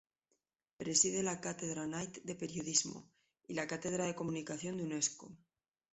Preside la cátedra Knight de Periodismo y la cátedra de Comunicación de Unesco.